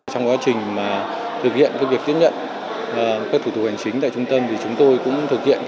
trong quá trình thực hiện việc tiếp nhận các thủ tục hành chính tại trung tâm thì chúng tôi cũng thực hiện